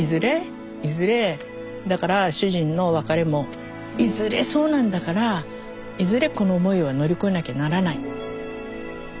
だから主人の別れもいずれそうなんだからいずれこの思いは乗り越えなきゃならない。ね？